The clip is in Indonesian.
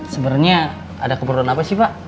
sebenernya ada kebutuhan apa sih pak